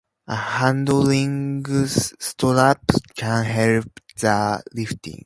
A handling strap can help the lifting.